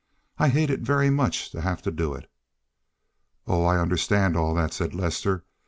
I hated very much to have to do it." "Oh, I understand all that!" said Lester.